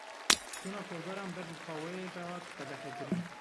Çûna kolberan ber bi Paweyê ve hat qedexekirin.